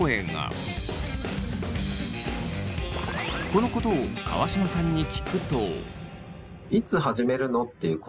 このことを川島さんに聞くと。